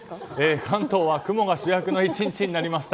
関東は雲が主役の１日になりました。